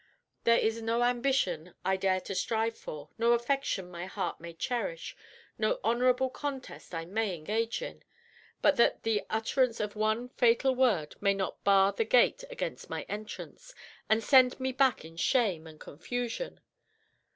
There is no ambition I dare to strive for, no affection my heart may cherish, no honorable contest I may engage in, but that the utterance of one fatal word may not bar the gate against my entrance, and send me back in shame and confusion.